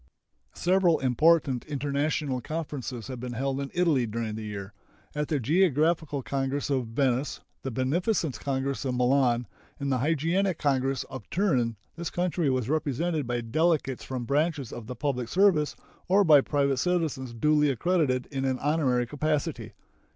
Several important international conferences have been held in Italy during the year. At the Geographical Congress of Venice, the Beneficence Congress of Milan, and the Hygienic Congress of Turin this country was represented by delegates from branches of the public service or by private citizens duly accredited in an honorary capacity.